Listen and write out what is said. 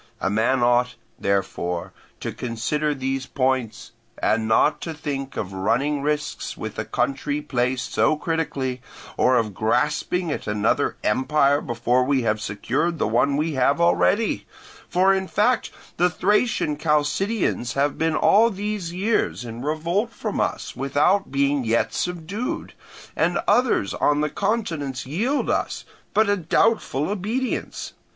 A man ought, therefore, to consider these points, and not to think of running risks with a country placed so critically, or of grasping at another empire before we have secured the one we have already; for in fact the Thracian Chalcidians have been all these years in revolt from us without being yet subdued, and others on the continents yield us but a doubtful obedience.